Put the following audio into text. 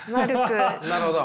なるほど。